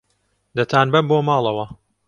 دەتانبەم بۆ ماڵەوە.